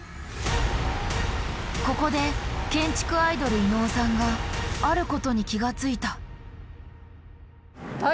ここで建築アイドル・伊野尾さんがあることに気が付いた。